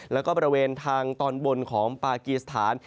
แล้วก็บริเวณทางตอนบนของปากีสถาน